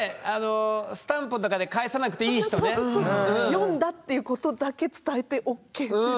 読んだっていうことだけ伝えてＯＫみたいな。